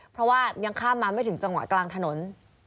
เพราะว่ายังข้ามมาไม่ถึงจังหวะกลางถนน